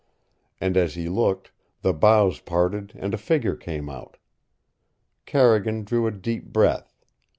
And as he looked, the boughs parted and a figure came out. Carrigan drew a deep breath.